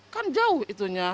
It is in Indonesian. kan jauh itunya